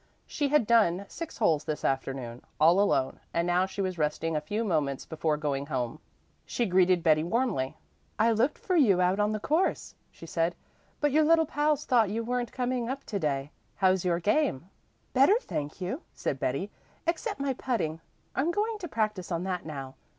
She had done six holes this afternoon, all alone, and now she was resting a few moments before going home. She greeted Betty warmly. "I looked for you out on the course," she said, "but your little pals thought you weren't coming up to day. How's your game?" "Better, thank you," said Betty, "except my putting, and I'm going to practice on that now.